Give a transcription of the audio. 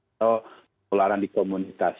atau kekeluaran di komunitas